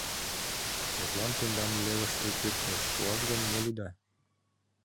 Мутлан, тендам левыше кӱртньыш шуаш гын, мо лийыда?